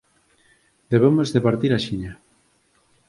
Debemos de partir axiña.